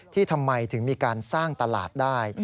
ทำไมถึงมีการสร้างตลาดได้